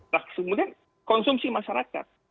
nah kemudian konsumsi masyarakat